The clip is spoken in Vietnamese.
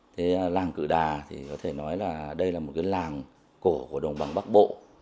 thế làng cự đà thì có thể nói là đây là một cái làng cổ của đồng bằng bắc bộ